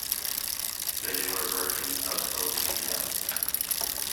The newer version of O Canada!